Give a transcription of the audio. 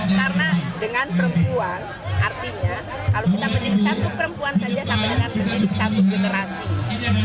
karena dengan perempuan artinya kalau kita menilai satu perempuan saja sampai dengan menilai satu generasi